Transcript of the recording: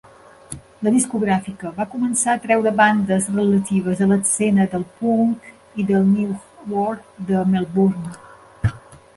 La discogràfica va començar a treure bandes relatives a l'escena del punk i del new wave de Melbourne.